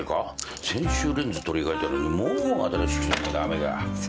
先週レンズ取り換えたのにもう新しくしなきゃ駄目か。